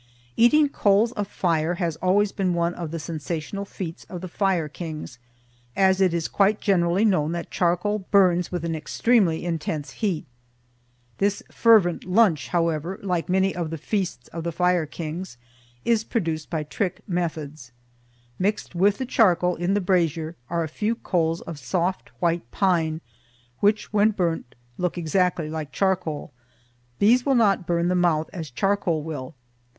Eating coals of fire has always been one of the sensational feats of the Fire Kings, as it is quite generally known that charcoal burns with an extremely intense heat. This fervent lunch, however, like many of the feasts of the Fire Kings, is produced by trick methods. Mixed with the charcoal in the brazier are a few coals of soft white pine, which when burnt look exactly like charcoal. These will not burn the mouth as charcoal will.